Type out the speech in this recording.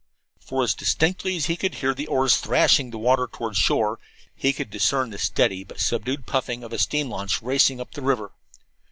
For as distinctly as he could hear the oars thrashing the water toward shore, he could discern the steady but subdued puffing of a steam launch racing up the river.